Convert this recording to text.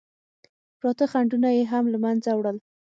پراته خنډونه یې هم له منځه وړل.